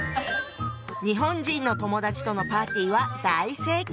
日本人の友達とのパーティーは大盛況。